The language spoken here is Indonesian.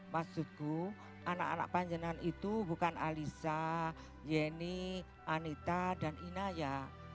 maksudku anak anak panjenengan itu bukan alisa yeni anita dan inaya